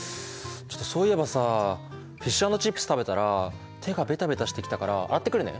そういえばさフィッシュ＆チップス食べたら手がベタベタしてきたから洗ってくるね。